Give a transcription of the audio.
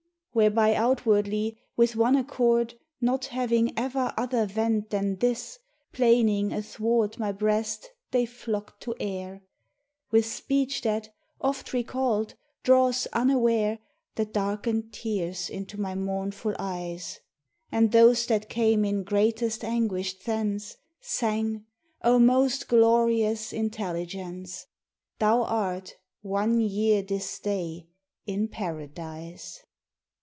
whereby outwardly, with one accord, Not having ever other vent than this, Plaining athwart my breast they flocked to air, With speech that, oft recalled, draws unaware The darkened tears into my mournful eyes; And those that came in greatest anguish thence Sang: 'O most glorious Intelligence! Thou art one year this day in Paradise.